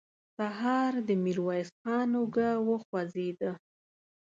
سهار د ميرويس خان اوږه وخوځېده.